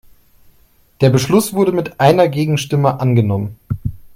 Der Beschluss wurde mit einer Gegenstimme angenommen.